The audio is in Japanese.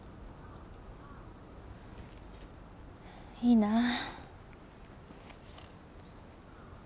いいなぁ。